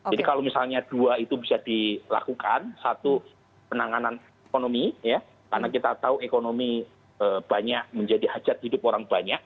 jadi kalau misalnya dua itu bisa dilakukan satu penanganan ekonomi karena kita tahu ekonomi banyak menjadi hajat hidup orang banyak